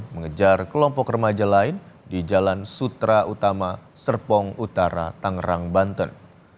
mengejar kelompok remaja lain di jalan sutra utama serpong utara tangerang banten